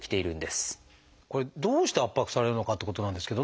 これどうして圧迫されるのかってことなんですけどね。